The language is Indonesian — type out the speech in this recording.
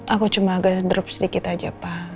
aku cuma agak drup sedikit aja pak